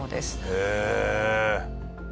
へえ！